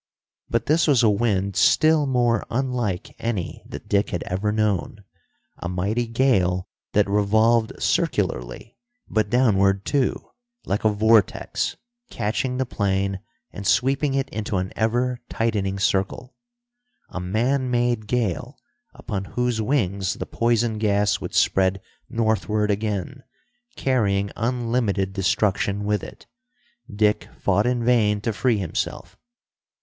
But this was a wind still more unlike any that Dick had ever known. A mighty gale that revolved circularly, but downward too, like a vortex, catching the plane and sweeping it into an ever tightening circle. A man made gale, upon whose wings the poison gas would spread northward again, carrying unlimited destruction with it. Dick fought in vain to free himself.